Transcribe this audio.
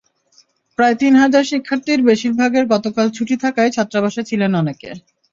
প্রায় তিন হাজার শিক্ষার্থীর বেশির ভাগের গতকাল ছুটি থাকায় ছাত্রাবাসে ছিলেন অনেকে।